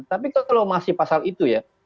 tapi kalau masih pasal itu ya